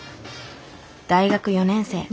大学４年生。